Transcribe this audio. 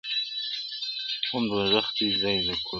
اووم دوږخ دي ځای د کرونا سي!٫.